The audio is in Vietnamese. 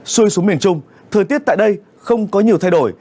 xuôi xuống miền trung thời tiết tại đây không có nhiều thay đổi